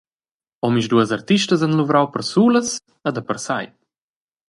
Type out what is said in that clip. Omisduas artistas han luvrau persulas e dapersei.